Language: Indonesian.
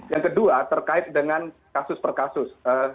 yang kedua terkait dengan kasus per kasus